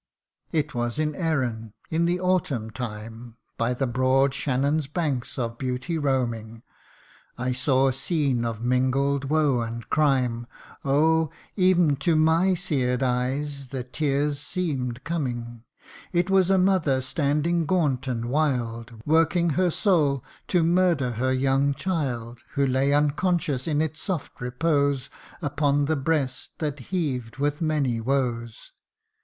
" It was in Erin in the autumn time, By the broad Shannon's banks of beauty roaming ; I saw a scene of mingled woe and crime Oh ! ev'n to my sear'd eyes the tears seem'd coming ! It was a mother standing gaunt and wild, Working her soul to murder her young child, Who lay unconscious in its soft repose Upon the breast, that heaved with many woes. CANTO IIT.